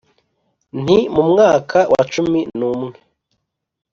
nti : mu mwaka wa cumi n'umwe